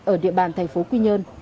ở địa bàn thành phố quy nhơn